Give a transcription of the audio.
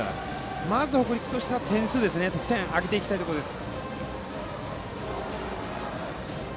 まず、北陸としては得点を挙げていきたいところです。